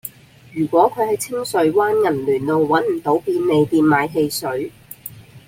如果佢喺清水灣銀巒路搵唔到便利店買汽水